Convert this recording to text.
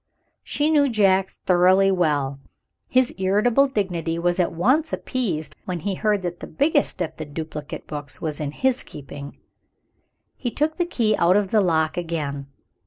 She knew Jack thoroughly well. His irritable dignity was at once appeased when he heard that the biggest of the duplicate books was in his keeping. He took the key out of the lock again.